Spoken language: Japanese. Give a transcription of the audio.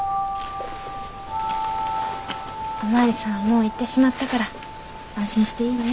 お巡りさんはもう行ってしまったから安心していいわよ。